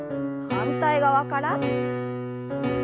反対側から。